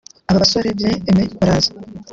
Aba basore Bien-Aimé Baraza